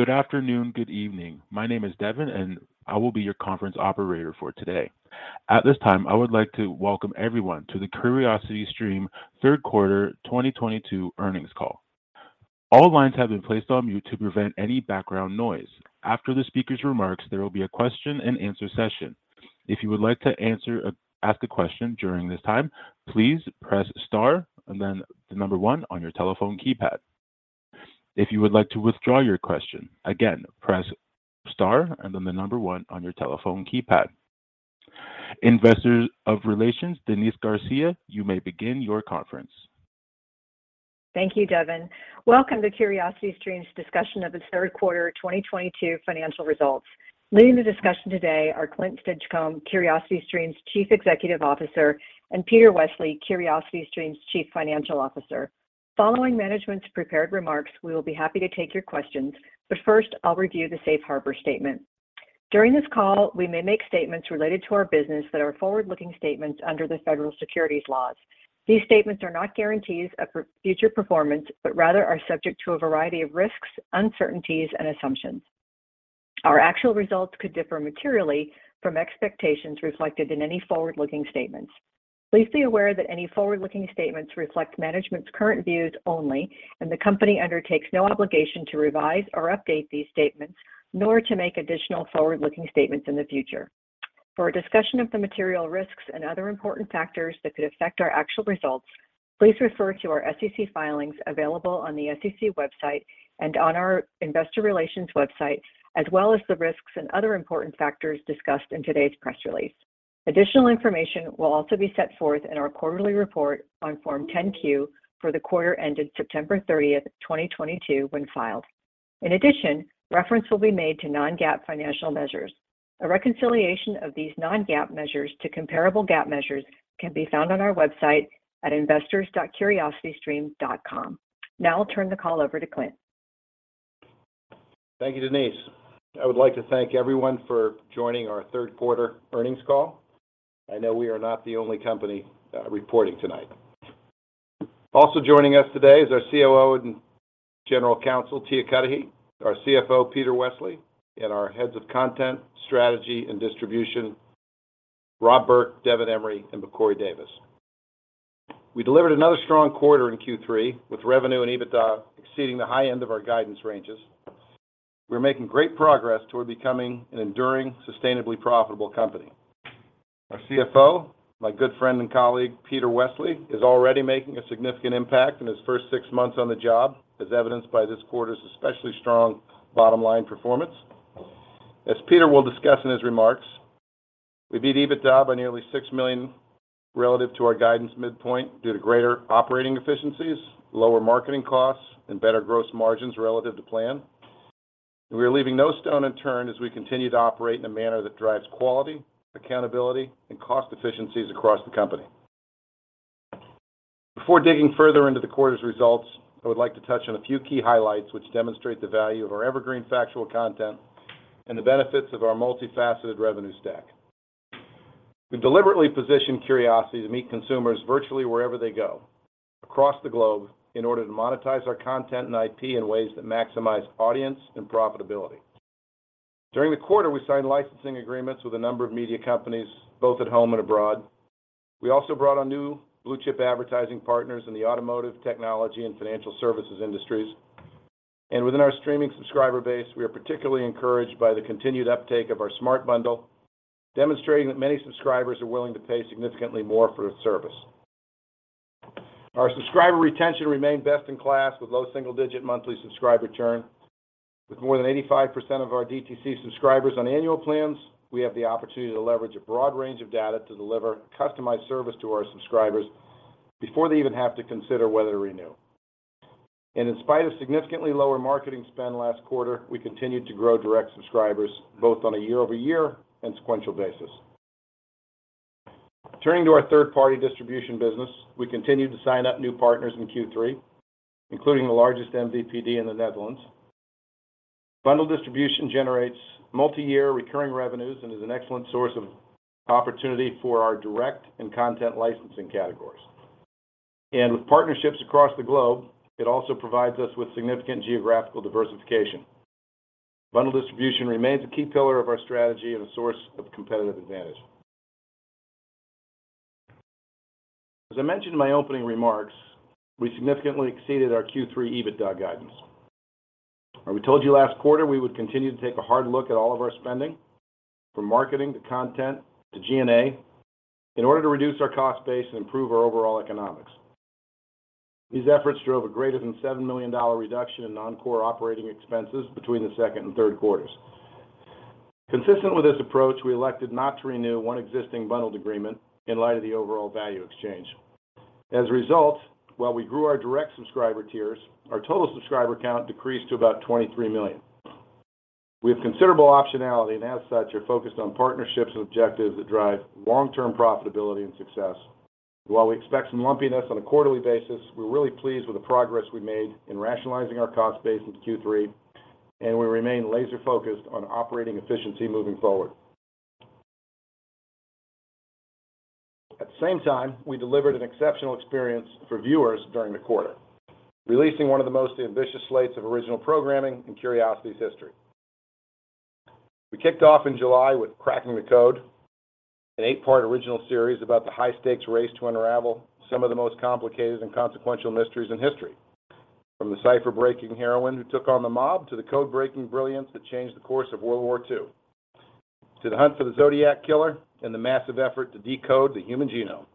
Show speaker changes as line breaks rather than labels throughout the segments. Good afternoon, good evening. My name is Devin, and I will be your conference operator for today. At this time, I would like to welcome everyone to the CuriosityStream Third Quarter 2022 Earnings Call. All lines have been placed on mute to prevent any background noise. After the speaker's remarks, there will be a question-and-answer session. If you would like to ask a question during this time, please press star and then the number one on your telephone keypad. If you would like to withdraw your question, again, press star and then the number one on your telephone keypad. Investor Relations, Denise Garcia, you may begin your conference.
Thank you, Devin. Welcome to CuriosityStream's discussion of the third quarter 2022 financial results. Leading the discussion today are Clint Stinchcomb, CuriosityStream's Chief Executive Officer, and Peter Westley, CuriosityStream's Chief Financial Officer. Following management's prepared remarks, we will be happy to take your questions, but first, I'll review the safe harbor statement. During this call, we may make statements related to our business that are forward-looking statements under the Federal Securities laws. These statements are not guarantees of future performance, but rather are subject to a variety of risks, uncertainties, and assumptions. Our actual results could differ materially from expectations reflected in any forward-looking statements. Please be aware that any forward-looking statements reflect management's current views only, and the company undertakes no obligation to revise or update these statements, nor to make additional forward-looking statements in the future. For a discussion of the material risks and other important factors that could affect our actual results, please refer to our SEC filings available on the SEC website and on our investor relations website, as well as the risks and other important factors discussed in today's press release. Additional information will also be set forth in our quarterly report on Form 10-Q for the quarter ended September 30, 2022, when filed. In addition, reference will be made to non-GAAP financial measures. A reconciliation of these non-GAAP measures to comparable GAAP measures can be found on our website at investors.curiositystream.com. Now I'll turn the call over to Clint.
Thank you, Denise. I would like to thank everyone for joining our third quarter earnings call. I know we are not the only company reporting tonight. Also joining us today is our COO and General Counsel, Tia Cudahy, our CFO, Peter Westley, and our Heads of Content, Strategy, and Distribution, Rob Burk, Devin Emery, and Bakori Davis. We delivered another strong quarter in Q3, with revenue and EBITDA exceeding the high end of our guidance ranges. We're making great progress toward becoming an enduring, sustainably profitable company. Our CFO, my good friend and colleague, Peter Westley, is already making a significant impact in his first six months on the job, as evidenced by this quarter's especially strong bottom-line performance. As Peter will discuss in his remarks, we beat EBITDA by nearly $6 million relative to our guidance midpoint due to greater operating efficiencies, lower marketing costs, and better gross margins relative to plan. We are leaving no stone unturned as we continue to operate in a manner that drives quality, accountability, and cost efficiencies across the company. Before digging further into the quarter's results, I would like to touch on a few key highlights which demonstrate the value of our evergreen factual content and the benefits of our multifaceted revenue stack. We deliberately positioned CuriosityStream to meet consumers virtually wherever they go across the globe in order to monetize our content and IP in ways that maximize audience and profitability. During the quarter, we signed licensing agreements with a number of media companies, both at home and abroad. We also brought on new blue-chip advertising partners in the automotive, technology, and financial services industries. Within our streaming subscriber base, we are particularly encouraged by the continued uptake of our Smart Bundle, demonstrating that many subscribers are willing to pay significantly more for the service. Our subscriber retention remained best in class, with low single-digit monthly subscriber churn. With more than 85% of our DTC subscribers on annual plans, we have the opportunity to leverage a broad range of data to deliver customized service to our subscribers before they even have to consider whether to renew. In spite of significantly lower marketing spend last quarter, we continued to grow direct subscribers, both on a year-over-year and sequential basis. Turning to our third-party distribution business, we continued to sign up new partners in Q3, including the largest MVPD in the Netherlands. Bundled distribution generates multiyear recurring revenues and is an excellent source of opportunity for our direct and content licensing categories. With partnerships across the globe, it also provides us with significant geographical diversification. Bundled distribution remains a key pillar of our strategy and a source of competitive advantage. As I mentioned in my opening remarks, we significantly exceeded our Q3 EBITDA guidance. We told you last quarter we would continue to take a hard look at all of our spending, from marketing to content to G&A, in order to reduce our cost base and improve our overall economics. These efforts drove a greater than $7 million reduction in non-core operating expenses between the second and third quarters. Consistent with this approach, we elected not to renew one existing bundled agreement in light of the overall value exchange. As a result, while we grew our direct subscriber tiers, our total subscriber count decreased to about 23 million. We have considerable optionality and as such, are focused on partnerships and objectives that drive long-term profitability and success. While we expect some lumpiness on a quarterly basis, we're really pleased with the progress we made in rationalizing our cost base into Q3, and we remain laser-focused on operating efficiency moving forward. At the same time, we delivered an exceptional experience for viewers during the quarter, releasing one of the most ambitious slates of original programming in CuriosityStream's history. We kicked off in July with Cracking the Code, an eight-part original series about the high-stakes race to unravel some of the most complicated and consequential mysteries in history, from the cipher-breaking heroine who took on the mob to the code-breaking brilliance that changed the course of World War II, to the hunt for the Zodiac Killer and the massive effort to decode the human genome.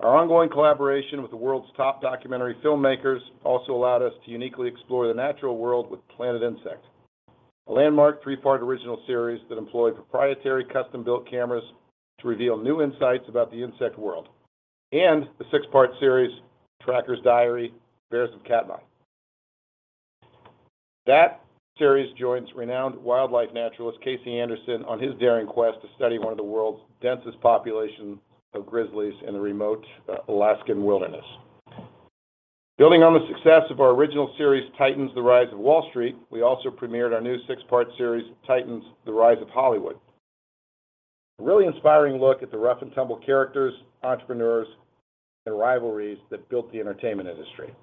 Our ongoing collaboration with the world's top documentary filmmakers also allowed us to uniquely explore the natural world with Planet Insect, a landmark three-part original series that employed proprietary custom-built cameras to reveal new insights about the insect world, and the six-part series The Tracker's Diary: Bears of Katmai. That series joins renowned wildlife naturalist Casey Anderson on his daring quest to study one of the world's densest populations of grizzlies in the remote Alaskan wilderness. Building on the success of our original series Titans: The Rise of Wall Street, we also premiered our new six-part series Titans: The Rise of Hollywood, a really inspiring look at the rough-and-tumble characters, entrepreneurs, and rivalries that built the entertainment industry,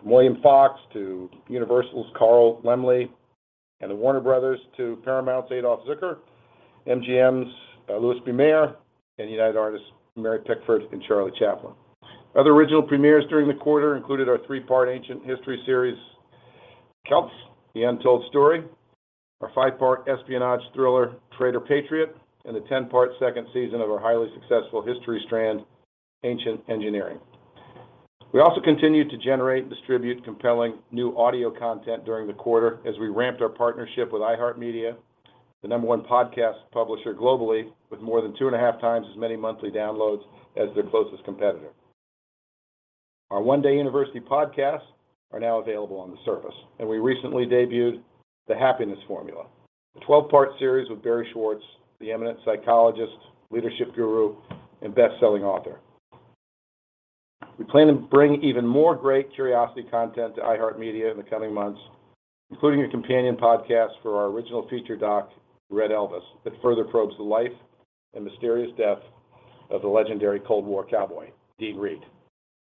from William Fox to Universal's Carl Laemmle and Warner Bros. to Paramount's Adolph Zukor, MGM's Louis B. Mayer, and United Artists' Mary Pickford and Charlie Chaplin. Other original premieres during the quarter included our three-part ancient history series Celts: The Untold Story, our five-part espionage thriller Traitor/Patriot, and the 10-part second season of our highly successful history strand Ancient Engineering. We also continued to generate and distribute compelling new audio content during the quarter as we ramped our partnership with iHeartMedia, the number one podcast publisher globally with more than 2.5x as many monthly downloads as their closest competitor. Our One Day University podcasts are now available on the surface, and we recently debuted The Happiness Formula, a 12-part series with Barry Schwartz, the eminent psychologist, leadership guru, and best-selling author. We plan to bring even more great Curiosity content to iHeartMedia in the coming months, including a companion podcast for our original feature doc Red Elvis that further probes the life and mysterious death of the legendary Cold War cowboy, Dean Reed,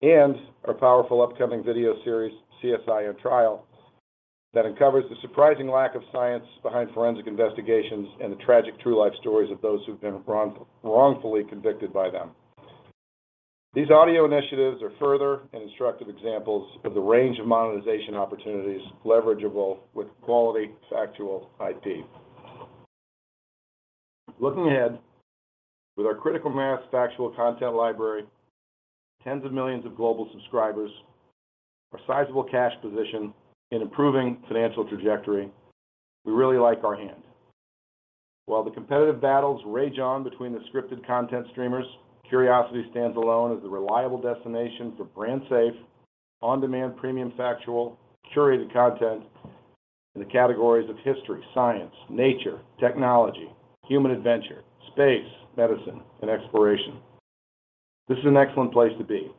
and our powerful upcoming video series CSI on Trial that uncovers the surprising lack of science behind forensic investigations and the tragic true life stories of those who've been wrongfully convicted by them. These audio initiatives are further and instructive examples of the range of monetization opportunities leverageable with quality factual IP. Looking ahead, with our critical mass factual content library, tens of millions of global subscribers, our sizable cash position, and improving financial trajectory, we really like our hand. While the competitive battles rage on between the scripted content streamers, Curiosity stands alone as the reliable destination for brand-safe, on-demand premium factual curated content in the categories of history, science, nature, technology, human adventure, space, medicine, and exploration. This is an excellent place to be,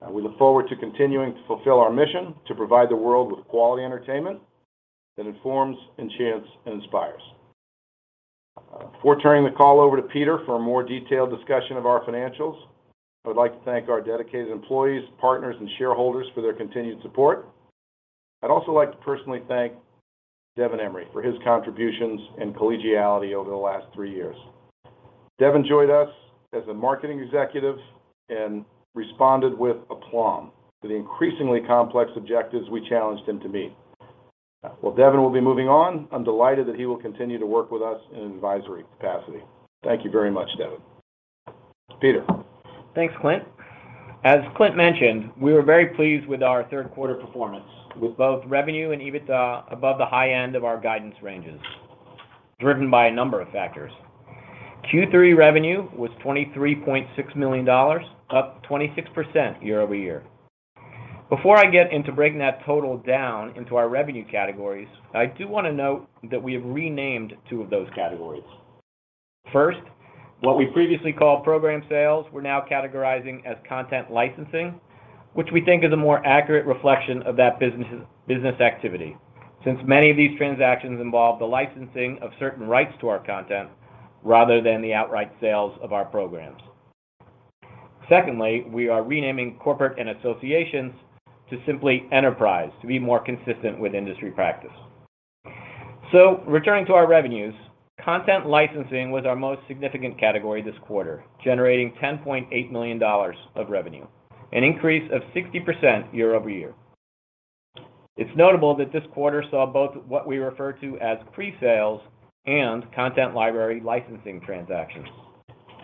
and we look forward to continuing to fulfill our mission to provide the world with quality entertainment that informs, enchants, and inspires. Before turning the call over to Peter for a more detailed discussion of our financials, I would like to thank our dedicated employees, partners, and shareholders for their continued support. I'd also like to personally thank Devin Emery for his contributions and collegiality over the last three years. Devin joined us as a marketing executive and responded with aplomb to the increasingly complex objectives we challenged him to meet. While Devin will be moving on, I'm delighted that he will continue to work with us in an advisory capacity. Thank you very much, Devin. Peter.
Thanks, Clint. As Clint mentioned, we were very pleased with our third quarter performance, with both revenue and EBITDA above the high end of our guidance ranges, driven by a number of factors. Q3 revenue was $23.6 million, up 26% year-over-year. Before I get into breaking that total down into our revenue categories, I do want to note that we have renamed two of those categories. First, what we previously called program sales we're now categorizing as content licensing, which we think is a more accurate reflection of that business activity, since many of these transactions involve the licensing of certain rights to our content rather than the outright sales of our programs. Secondly, we are renaming corporate and associations to simply enterprise to be more consistent with industry practice. Returning to our revenues, content licensing was our most significant category this quarter, generating $10.8 million of revenue, an increase of 60% year-over-year. It's notable that this quarter saw both what we refer to as pre-sales and content library licensing transactions.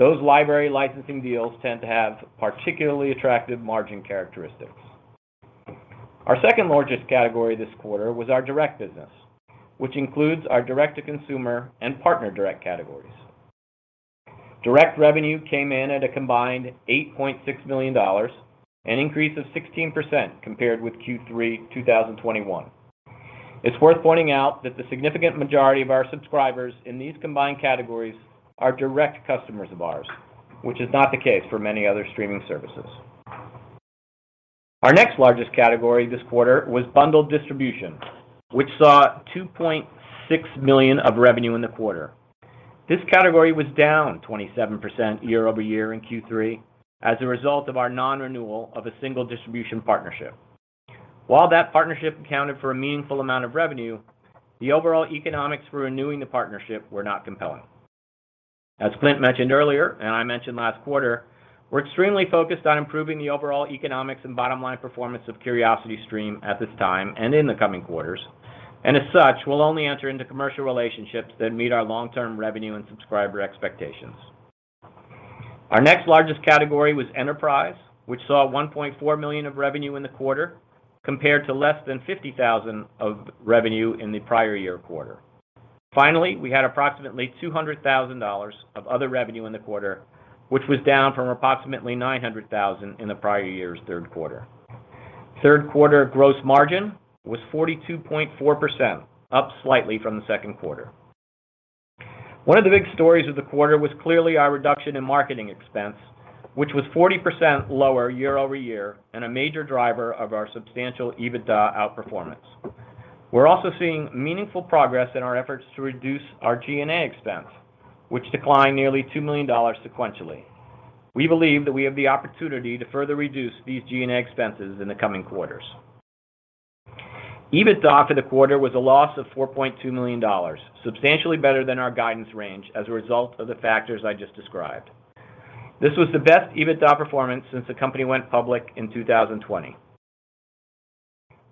Those library licensing deals tend to have particularly attractive margin characteristics. Our second-largest category this quarter was our direct business, which includes our direct-to-consumer and partner direct categories. Direct revenue came in at a combined $8.6 million, an increase of 16% compared with Q3 2021. It's worth pointing out that the significant majority of our subscribers in these combined categories are direct customers of ours, which is not the case for many other streaming services. Our next largest category this quarter was bundled distribution, which saw $2.6 million of revenue in the quarter. This category was down 27% year-over-year in Q3 as a result of our non-renewal of a single distribution partnership. While that partnership accounted for a meaningful amount of revenue, the overall economics for renewing the partnership were not compelling. As Clint mentioned earlier, and I mentioned last quarter, we're extremely focused on improving the overall economics and bottom line performance of CuriosityStream at this time and in the coming quarters. As such, we'll only enter into commercial relationships that meet our long-term revenue and subscriber expectations. Our next largest category was enterprise, which saw $1.4 million of revenue in the quarter compared to less than $50,000 of revenue in the prior year quarter. Finally, we had approximately $200,000 of other revenue in the quarter, which was down from approximately $900,000 in the prior year's third quarter. Third quarter gross margin was 42.4%, up slightly from the second quarter. One of the big stories of the quarter was clearly our reduction in marketing expense, which was 40% lower year-over-year and a major driver of our substantial EBITDA outperformance. We're also seeing meaningful progress in our efforts to reduce our G&A expense, which declined nearly $2 million sequentially. We believe that we have the opportunity to further reduce these G&A expenses in the coming quarters. EBITDA for the quarter was a loss of $4.2 million, substantially better than our guidance range as a result of the factors I just described. This was the best EBITDA performance since the company went public in 2020.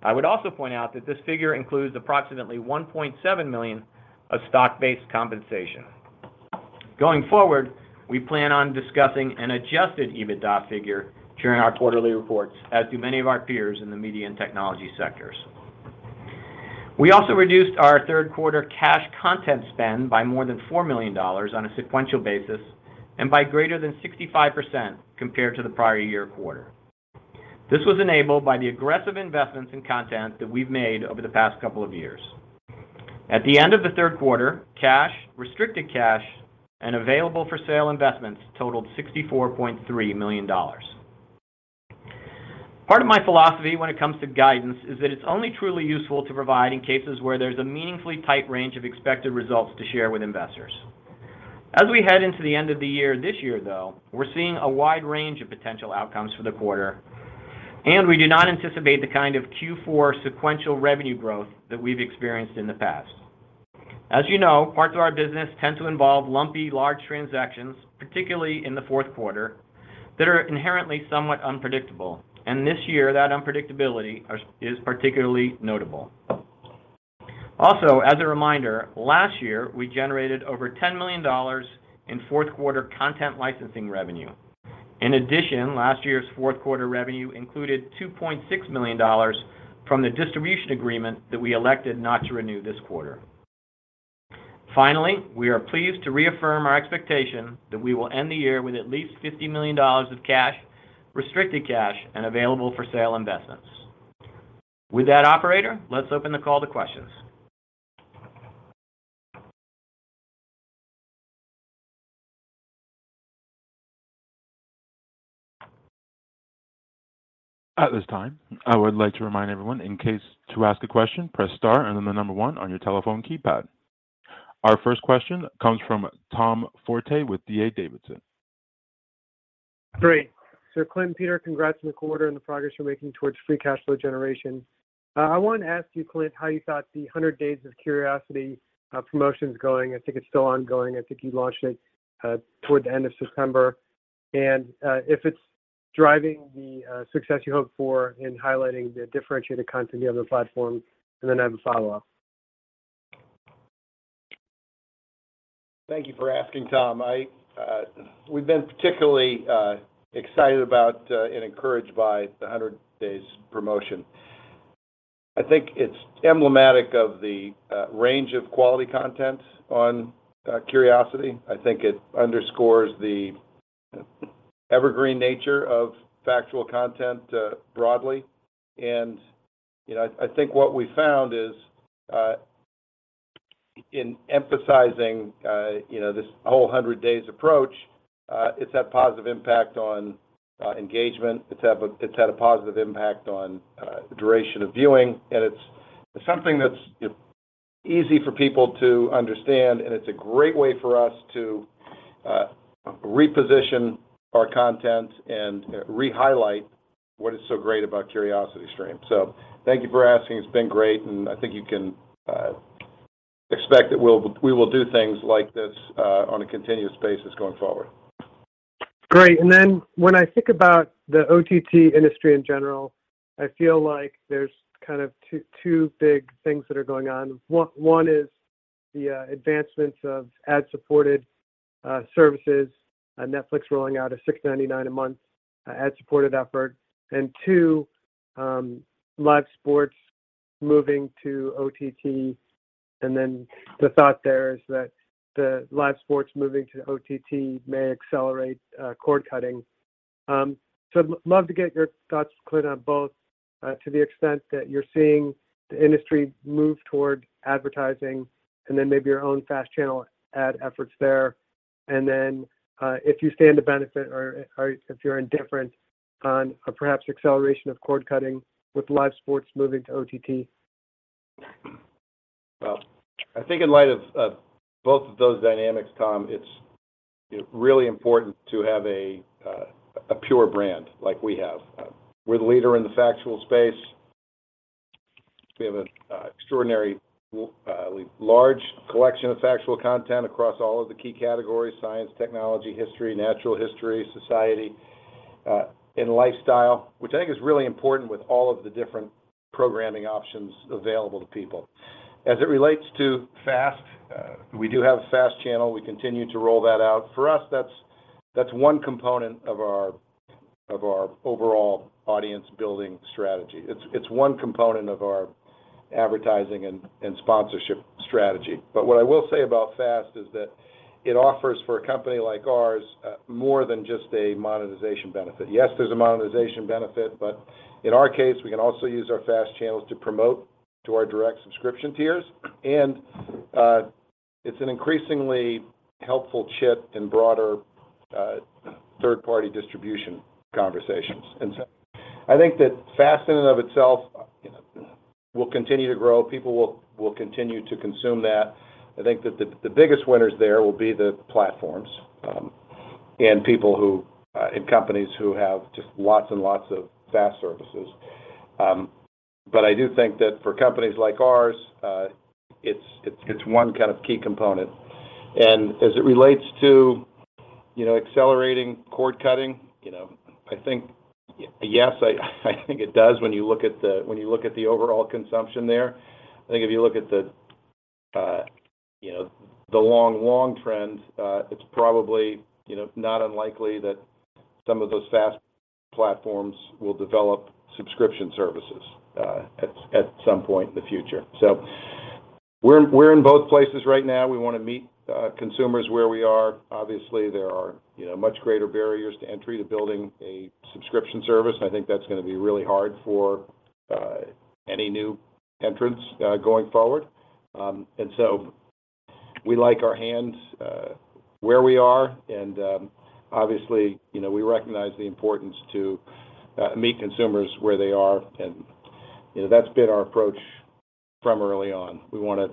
I would also point out that this figure includes approximately $1.7 million of stock-based compensation. Going forward, we plan on discussing an adjusted EBITDA figure during our quarterly reports, as do many of our peers in the media and technology sectors. We also reduced our third quarter cash content spend by more than $4 million on a sequential basis and by greater than 65% compared to the prior year quarter. This was enabled by the aggressive investments in content that we've made over the past couple of years. At the end of the third quarter, cash, restricted cash, and available for sale investments totaled $64.3 million. Part of my philosophy when it comes to guidance is that it's only truly useful to provide in cases where there's a meaningfully tight range of expected results to share with investors. As we head into the end of the year this year, though, we're seeing a wide range of potential outcomes for the quarter, and we do not anticipate the kind of Q4 sequential revenue growth that we've experienced in the past. As you know, parts of our business tend to involve lumpy large transactions, particularly in the fourth quarter, that are inherently somewhat unpredictable. This year, that unpredictability is particularly notable. Also, as a reminder, last year, we generated over $10 million in fourth quarter content licensing revenue. In addition, last year's fourth quarter revenue included $2.6 million from the distribution agreement that we elected not to renew this quarter. Finally, we are pleased to reaffirm our expectation that we will end the year with at least $50 million of cash, restricted cash, and available for sale investments. With that, operator, let's open the call to questions.
At this time, I would like to remind everyone in case to ask a question, press star and then the number one on your telephone keypad. Our first question comes from Tom Forte with D.A. Davidson.
Great. Clint, Peter, congrats on the quarter and the progress you're making towards free cash flow generation. I wanted to ask you, Clint, how you thought the 100 days of CuriosityStream promotion is going. I think it's still ongoing. I think you launched it toward the end of September. If it's driving the success you hope for in highlighting the differentiated content of the other platform, and then I have a follow-up.
Thank you for asking, Tom. We've been particularly excited about and encouraged by the 100 days promotion. I think it's emblematic of the range of quality content on CuriosityStream. I think it underscores the evergreen nature of factual content broadly. You know, I think what we found is in emphasizing you know, this whole 100 days approach, it's had positive impact on engagement, it's had a positive impact on duration of viewing, and it's something that's easy for people to understand, and it's a great way for us to reposition our content and re-highlight what is so great about CuriosityStream. Thank you for asking. It's been great, and I think you can expect that we will do things like this on a continuous basis going forward.
Great. Then when I think about the OTT industry in general, I feel like there's kind of two big things that are going on. One is the advancements of ad-supported services, Netflix rolling out a $6.99 a month ad-supported effort, and two, live sports moving to OTT. The thought there is that the live sports moving to OTT may accelerate cord cutting. Love to get your thoughts, Clint, on both. To the extent that you're seeing the industry move toward advertising and then maybe your own FAST channel ad efforts there, and then, if you stand to benefit or if you're indifferent on perhaps acceleration of cord-cutting with live sports moving to OTT.
Well, I think in light of both of those dynamics, Tom, it's, you know, really important to have a pure brand like we have. We're the leader in the factual space. We have an extraordinary large collection of factual content across all of the key categories: science, technology, history, natural history, society, and lifestyle, which I think is really important with all of the different programming options available to people. As it relates to FAST, we do have a FAST channel. We continue to roll that out. For us, that's one component of our overall audience-building strategy. It's one component of our advertising and sponsorship strategy. But what I will say about FAST is that it offers, for a company like ours, more than just a monetization benefit. Yes, there's a monetization benefit, but in our case, we can also use our FAST channels to promote to our direct subscription tiers. It's an increasingly helpful chip in broader, third-party distribution conversations. I think that FAST in and of itself, you know, will continue to grow. People will continue to consume that. I think that the biggest winners there will be the platforms, and companies who have just lots and lots of FAST services. But I do think that for companies like ours, it's one kind of key component. As it relates to, you know, accelerating cord-cutting, you know, I think yes, I think it does when you look at the overall consumption there. I think if you look at the you know the long-term trend it's probably you know not unlikely that some of those FAST platforms will develop subscription services at some point in the future. We're in both places right now. We wanna meet consumers where they are. Obviously there are you know much greater barriers to entry to building a subscription service and I think that's gonna be really hard for any new entrants going forward. We like our hand where we are and obviously you know we recognize the importance to meet consumers where they are. You know that's been our approach from early on. We wanna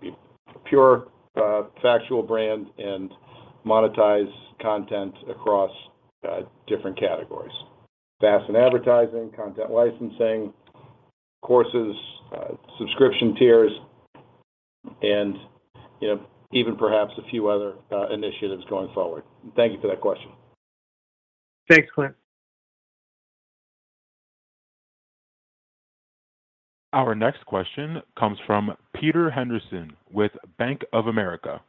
be a pure factual brand and monetize content across different categories. FAST and advertising, content licensing, courses, subscription tiers, and, you know, even perhaps a few other initiatives going forward. Thank you for that question.
Thanks, Clint.
Our next question comes from Peter Henderson with Bank of America.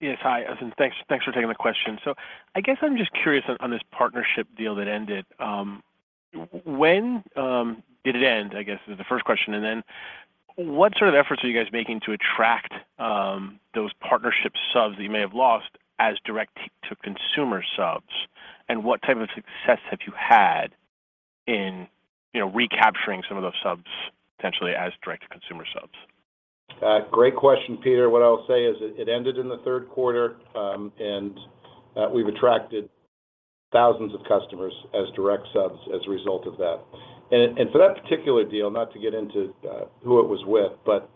Yes. Hi, listen. Thanks for taking the question. I guess I'm just curious on this partnership deal that ended. When did it end, I guess is the first question. Then what sort of efforts are you guys making to attract those partnership subs that you may have lost as direct-to-consumer subs? What type of success have you had in recapturing some of those subs potentially as direct-to-consumer subs?
Great question, Peter. What I'll say is it ended in the third quarter, and we've attracted thousands of customers as direct subs as a result of that. For that particular deal, not to get into who it was with, but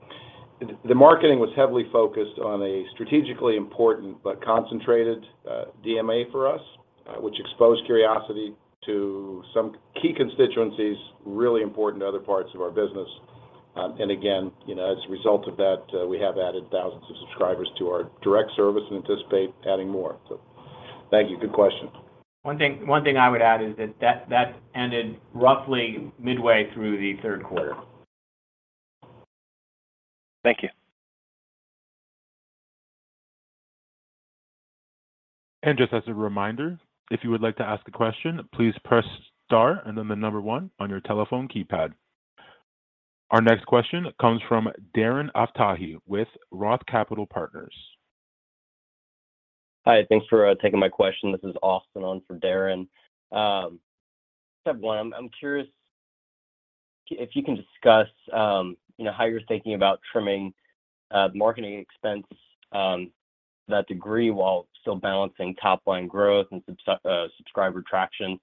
the marketing was heavily focused on a strategically important but concentrated DMA for us, which exposed CuriosityStream to some key constituencies really important to other parts of our business. Again, you know, as a result of that, we have added thousands of subscribers to our direct service and anticipate adding more. Thank you. Good question.
One thing I would add is that ended roughly midway through the third quarter.
Thank you.
Just as a reminder, if you would like to ask a question, please press star and then the number one on your telephone keypad. Our next question comes from Darren Aftahi with Roth Capital Partners.
Hi. Thanks for taking my question. This is Austin on for Darren. Step one, I'm curious if you can discuss, you know, how you're thinking about trimming marketing expense to that degree while still balancing top-line growth and subscriber traction.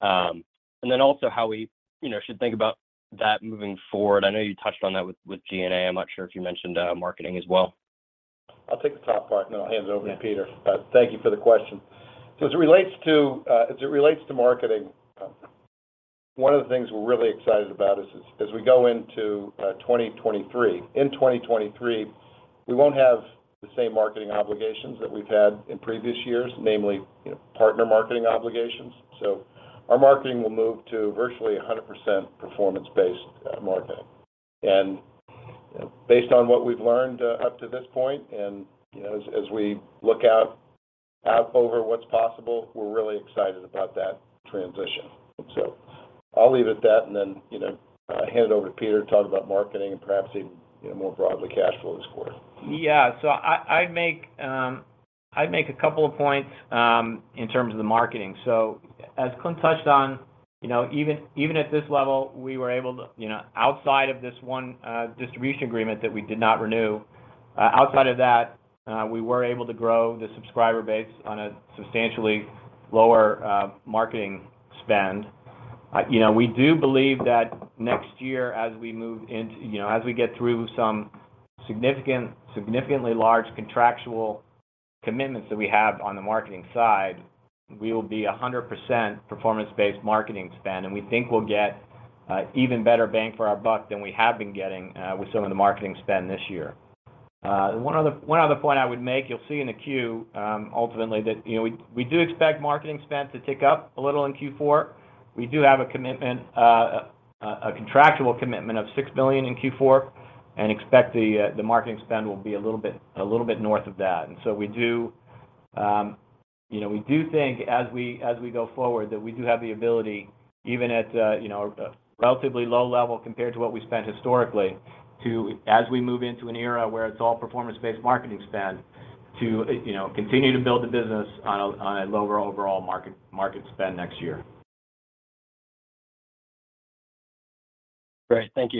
And then also how we, you know, should think about that moving forward. I know you touched on that with G&A. I'm not sure if you mentioned marketing as well.
I'll take the top part, and then I'll hand it over to Peter.
Yeah.
Thank you for the question. As it relates to marketing, one of the things we're really excited about is as we go into 2023. In 2023, we won't have the same marketing obligations that we've had in previous years, namely, you know, partner marketing obligations. Our marketing will move to virtually 100% performance-based marketing. Based on what we've learned up to this point and, you know, as we look out over what's possible, we're really excited about that transition. I'll leave it at that and then, you know, hand it over to Peter to talk about marketing and perhaps even, you know, more broadly cash flow this quarter.
Yeah. I'd make a couple of points in terms of the marketing. As Clint touched on, you know, even at this level, we were able to, you know, outside of this one distribution agreement that we did not renew, outside of that, we were able to grow the subscriber base on a substantially lower marketing spend. You know, we do believe that next year, as we move into, you know, as we get through some significant, significantly large contractual commitments that we have on the marketing side, we will be 100% performance-based marketing spend. We think we'll get even better bang for our buck than we have been getting with some of the marketing spend this year. One other point I would make, you'll see in the 10-Q ultimately that, you know, we do expect marketing spend to tick up a little in Q4. We do have a commitment, a contractual commitment of $6 million in Q4 and expect the marketing spend will be a little bit north of that. We do, you know, think as we go forward that we do have the ability, even at, you know, a relatively low level compared to what we spent historically to, as we move into an era where it's all performance-based marketing spend, to, you know, continue to build the business on a lower overall market spend next year.
Great. Thank you.